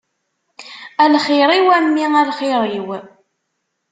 A lxir-iw, a mmi a lxir-iw.